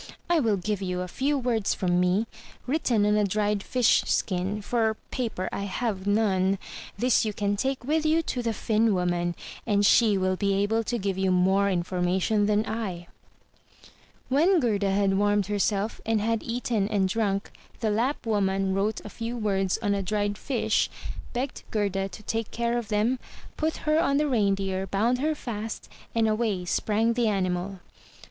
I will give you a few words from me, written on a dried fish skin, for paper I have none. This you can take with you to the Finn woman, and she will be able to give you more information than L" When Gerda had warmed herself, and had eaten and drunk, the Lapp woman wrote a few words on a dried fish, begged Gerda to take care of them, put her on the Reindeer, bound her fast, and away sprang the animal.